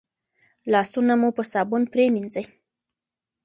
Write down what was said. لاسونه مو په صابون پریمنځئ.